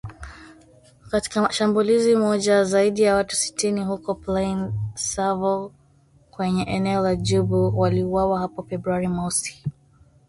Katika shambulizi moja, zaidi ya watu sitini huko Plaine Savo kwenye eneo la Djubu waliuawa hapo Februari mosi.